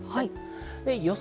予想